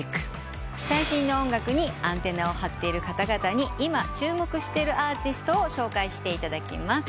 最新の音楽にアンテナを張っている方々に今注目してるアーティストを紹介していただきます。